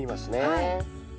はい。